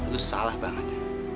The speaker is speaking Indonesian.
lu salah banget